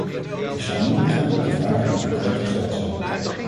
Ik zal nu ingaan op de vragen die concreet gesteld zijn.